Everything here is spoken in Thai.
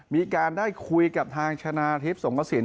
มีการได้คุยกับทางชนะทฤษฐรมสมสิน